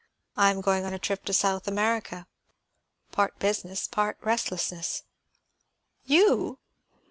I am going on a trip to South America; part business, part restlessness." "You!"